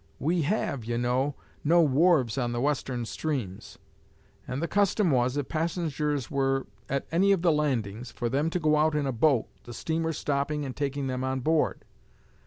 We have, you know, no wharves on the Western streams; and the custom was, if passengers were at any of the landings, for them to go out in a boat, the steamer stopping and taking them on board.